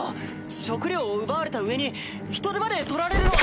食糧を奪われた上に人手まで取られるのは！